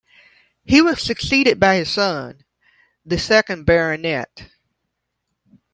He was succeeded by his son, the second Baronet.